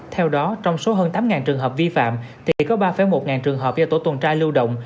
theo đó trong số hơn tám trường hợp vi phạm thì có ba một trường hợp do tổ tuần tra lưu động